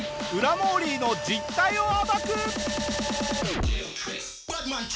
モーリーの実態を暴く！